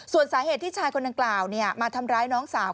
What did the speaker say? ส่วนสาเหตุที่ชายคนดังกล่าวมาทำร้ายน้องสาว